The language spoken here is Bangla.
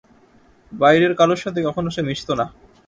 বাইরের কারুর সাথে কখনো সে মিশত না।